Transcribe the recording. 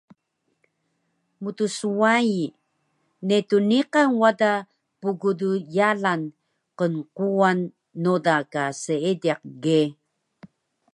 Mtswai, netun niqan wada pgdyalan qnquwan noda ka seediq ge